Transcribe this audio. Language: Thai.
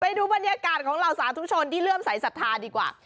ไปดูบรรยากาศของเหล่าสาธุชนที่เริ่มสายศรัทธาดีกว่า